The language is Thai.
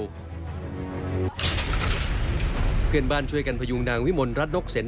ไปอย่างรวดเร็วเพื่อนบ้านช่วยกันพยุงนางวิมนตร์รัฐนกเซ็นต์